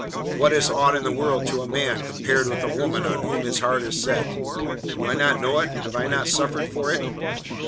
What is aught in the world to a man, compared with the woman on whom his heart is set? Do I not know it? Have I not suffered for it?